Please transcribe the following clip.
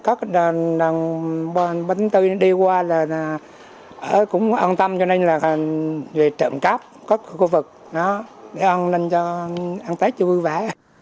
cuối năm tết đã nghe là có đồng bánh tư đi qua là cũng an tâm cho nên là trộm cắp các khu vực để ăn tết vui vẻ